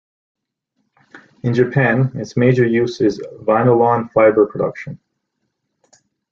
In Japan its major use is vinylon fiber production.